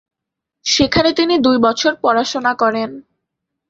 সেখানে তিনি দুই বছর পড়াশোনা করেন।